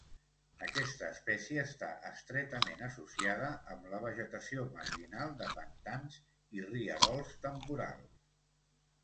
Aquesta espècie està estretament associada amb la vegetació marginal de pantans i rierols temporals.